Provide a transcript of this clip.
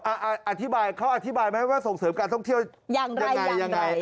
อธิบายเขาอธิบายไหมว่าส่งเสริมการท่องเที่ยวยังไงยังไง